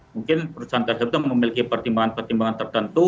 mungkin perusahaan tertentu memiliki pertimbangan pertimbangan tertentu